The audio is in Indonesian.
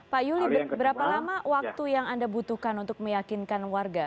pak yuli berapa lama waktu yang anda butuhkan untuk meyakinkan warga